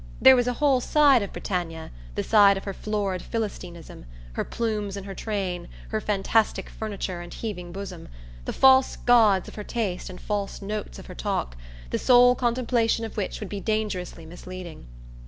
There was a whole side of Britannia, the side of her florid philistinism, her plumes and her train, her fantastic furniture and heaving bosom, the false gods of her taste and false notes of her talk, the sole contemplation of which would be dangerously misleading.